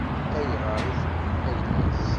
Ayɣer i tewwi ayla-s?